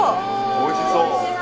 おいしそう。